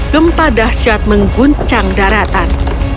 gempa dahsyat mengguncang daratan